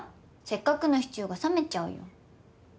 せっかくのシチューが冷めちゃうよ。